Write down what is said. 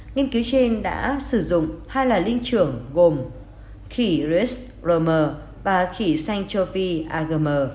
nghiên cứu trên đã sử dụng hai loài linh trưởng gồm khỉ rhys grommer và khỉ xanh cho phi a g m